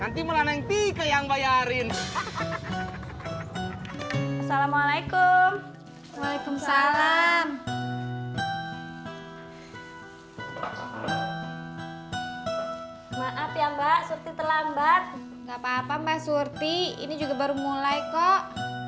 surti ini juga baru mulai kok